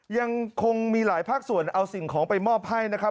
ยังคงมีหลายภาคส่วนเอาสิ่งของไปมอบให้นะครับ